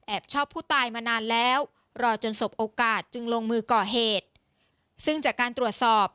แอบชอบผู้ตายมานานแล้ว